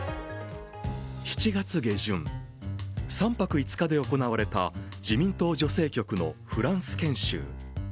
７月下旬、３泊５日で行われた自民党女性局のフランス研修。